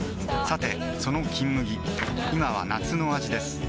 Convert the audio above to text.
さてその「金麦」今は夏の味です